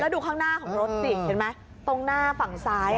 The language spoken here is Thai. แล้วดูข้างหน้าของรถสิตรงหน้าฝั่งซ้าย